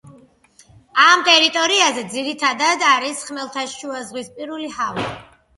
ამ ტერიტორიაზე ძირითადად არის ხმელთაშუაზღვისპირული ჰავა.